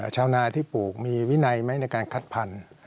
ชาวนาที่ปลูกมีวินัยไหมในการคัดพันธุ์